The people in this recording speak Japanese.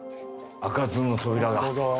開かずの扉が。